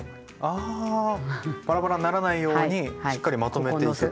あバラバラにならないようにしっかりまとめていくってことです。